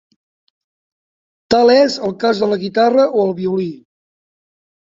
Tal és el cas de la guitarra o el violí.